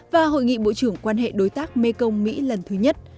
và hội nghị bộ trưởng quan hệ đối tác mekong mỹ lần thứ nhất